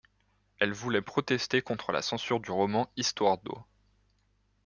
Elles voulaient protester contre la censure du roman Histoire d'O.